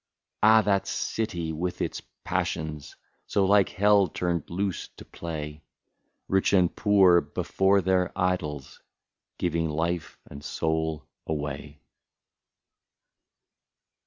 Ah, that city ! with its passions, So like hell turned loose to play. Rich and poor, before their idols. Giving life and soul away.